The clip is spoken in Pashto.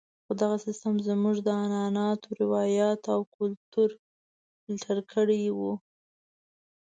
خو دغه سیستم زموږ عنعناتو، روایاتو او کلتور فلتر کړی وو.